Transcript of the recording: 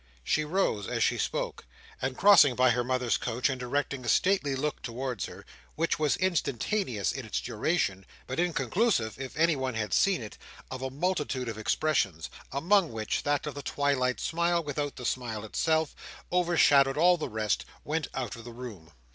She rose as she spoke, and crossing by her mother's couch, and directing a stately look towards her, which was instantaneous in its duration, but inclusive (if anyone had seen it) of a multitude of expressions, among which that of the twilight smile, without the smile itself, overshadowed all the rest, went out of the room.